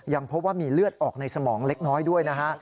พบว่ามีเลือดออกในสมองเล็กน้อยด้วยนะฮะ